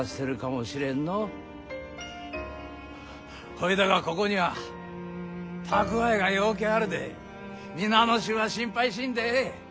ほいだがここには蓄えがようけあるで皆の衆は心配しんでええ。